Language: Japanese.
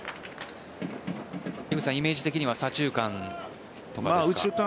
イメージ的には左中間とかですか？